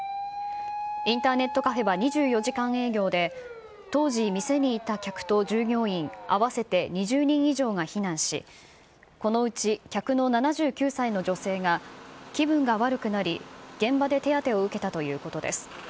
インターネットカフェは２４時間営業で、当時、店にいた客と従業員合わせて２０人以上が避難し、このうち客の７９歳の女性が、気分が悪くなり、現場で手当てを受けたということです。